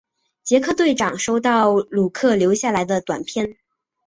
杰克队长收到鲁克的留下来的短片。